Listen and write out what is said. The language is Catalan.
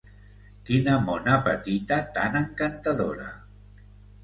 Quina mona petita tan encantadora!